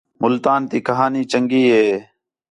ملتان تی کہاݨی چنڳی ہے